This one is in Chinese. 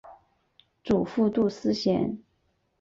祖父杜思贤。